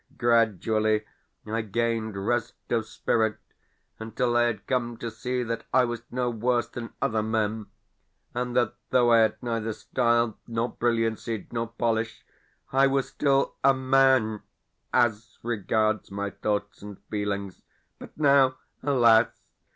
Gradually, I gained rest of spirit, until I had come to see that I was no worse than other men, and that, though I had neither style nor brilliancy nor polish, I was still a MAN as regards my thoughts and feelings. But now, alas!